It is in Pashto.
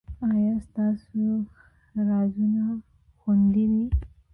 ایا ستاسو رازونه خوندي دي؟